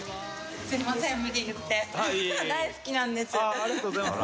◆舛ありがとうございます。